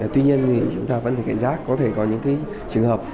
tuy nhiên thì chúng ta vẫn phải cảnh giác có thể có những trường hợp